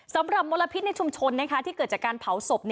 สำหรับมลพิษในชุมชนที่เกิดจากการเผาศพ